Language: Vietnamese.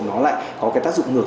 nó lại có cái tác dụng ngược